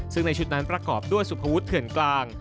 ซึ่งในชุดนั้นประกอบด้วยสุภวุฒิเถื่อนกลาง